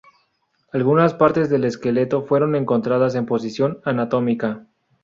Algunas partes del esqueleto fueron encontrados en posición anatómica.